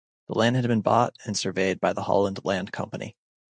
The land had been bought and surveyed by the Holland Land Company.